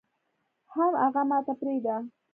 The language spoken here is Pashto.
حم اغه ماته پرېده.